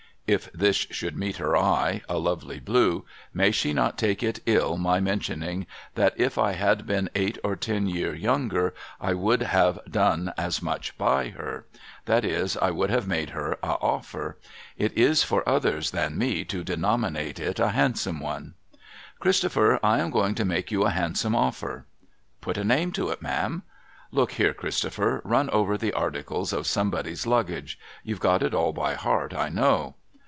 (If this should meet her eye — a lovely blue,— may she not take it ill my mentioning that if I had been eight or ten year younger, I would have done as much by her ! That is, I would have made her a ot^er. It is for others than mc to denominate it a handsome one.) ' Christopher, I am going to make you a handsome offer.' ' Put a name to it, ma'am.' ' Look here, Christopher. Run over the articles of Somebody's Luggage. You've got it all by heart, I know.'